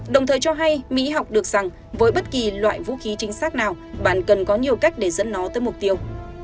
đồng thời cho hay mỹ học được rằng với bất kỳ loại vũ khí chính xác nào bạn cần có nhiều cách để dẫn nó tới mục tiêu